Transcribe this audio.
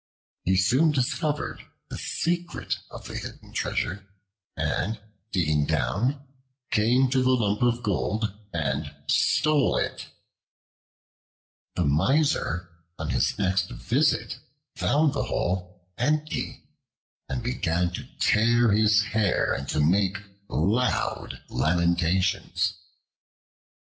He soon discovered the secret of the hidden treasure, and digging down, came to the lump of gold, and stole it. The Miser, on his next visit, found the hole empty and began to tear his hair and to make loud lamentations.